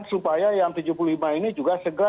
supaya yang tujuh puluh lima ini juga segera